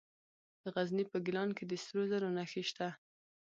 د غزني په ګیلان کې د سرو زرو نښې شته.